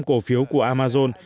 cổ phiếu của amazon